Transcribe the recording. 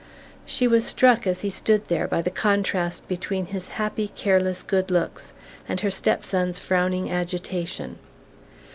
She was struck, as he stood there, by the contrast between his happy careless good looks and her step son's frowning agitation.